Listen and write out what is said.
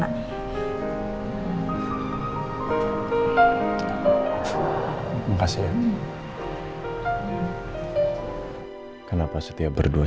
jadi pim tampoco tahu itu gimana